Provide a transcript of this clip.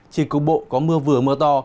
chỉ cục bộ có mưa vừa mưa to